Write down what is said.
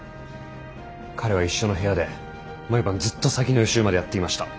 彼は一緒の部屋で毎晩ずっと先の予習までやっていました。